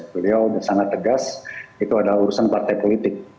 beliau sangat tegas itu adalah urusan partai politik